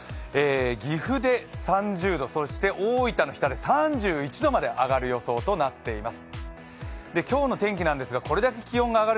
岐阜で３０度、大分の日田で３１度まで上がる予想となっています。